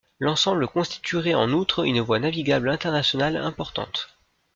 L'ensemble constituerait en outre une voie navigable internationale importante.